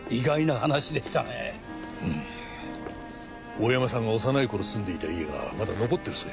大山さんが幼い頃住んでいた家がまだ残ってるそうじゃないか。